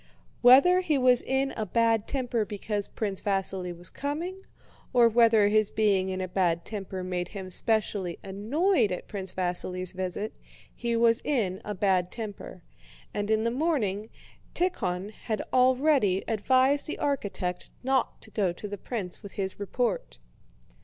Whether he was in a bad temper because Prince Vasíli was coming, or whether his being in a bad temper made him specially annoyed at Prince Vasíli's visit, he was in a bad temper, and in the morning Tíkhon had already advised the architect not to go to the prince with his report.